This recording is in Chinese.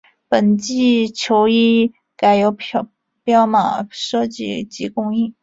本季球衣改由彪马设计及供应。